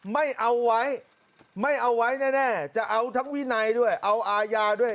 ไม่เอาไว้ไม่เอาไว้แน่จะเอาทั้งวินัยด้วยเอาอาญาด้วย